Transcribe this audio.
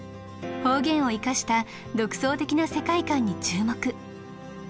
方言を生かした独創的な世界観に注目。